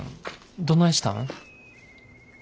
どないしたん？